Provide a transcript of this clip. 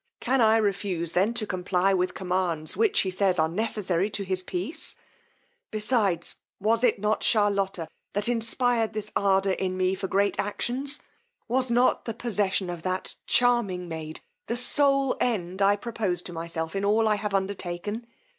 Can I refuse then to comply with commands, which, he says, are necessary to his peace! Besides, was it not Charlotta that inspired this ardor in me for great actions! Was not the possession of that charming maid, the sole end I proposed to myself in all I have undertaken!